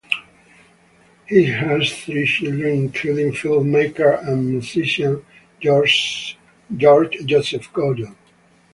He has three children including filmmaker and musician, George Joseph Gordon.